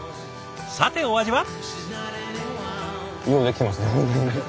さてお味は？